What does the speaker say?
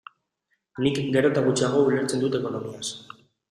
Nik gero eta gutxiago ulertzen dut ekonomiaz.